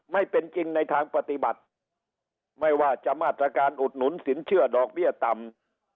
ไม่เป็นจริงในทางปฏิบัติไม่ว่าจะมาตรการอุดหนุนสินเชื่อดอกเบี้ยต่ำ